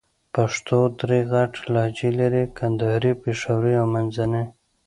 پښتو درې غټ لهجې لرې: کندهارۍ، پېښورۍ او منځني.